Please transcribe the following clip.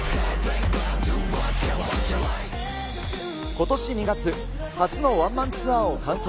ことし２月、初のワンマンツアーを完走。